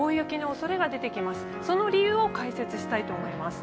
その理由を解説したいと思います。